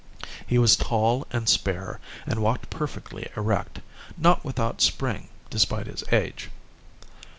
He was tall and spare, and walked perfectly erect, not without spring despite his age.